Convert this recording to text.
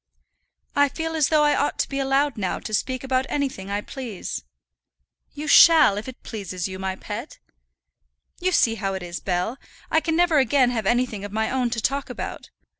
"I feel as though I ought to be allowed now to speak about anything I please." "You shall, if it pleases you, my pet." "You see how it is, Bell; I can never again have anything of my own to talk about."